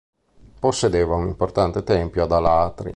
Possedeva un importante tempio ad Alatri.